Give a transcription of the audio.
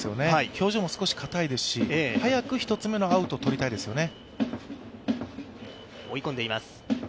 表情も少しかたいですし、早く１つ目のアウトをとりたいですよね。